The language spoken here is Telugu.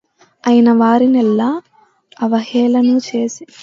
ఐనవారినెల్ల అవహేళనము చేసి